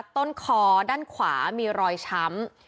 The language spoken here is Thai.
ต้นคอด้านขวามีรอยช้ำ